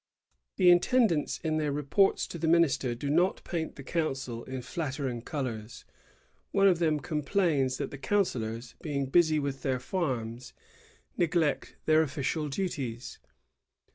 The intendants in their reports to the minister do not paint the council in flattering colors. One of them complains that the councillors, being busy with their farms, neglect their official duties.